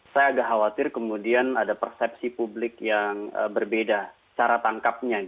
saya agak khawatir kemudian ada persepsi publik yang berbeda cara tangkapnya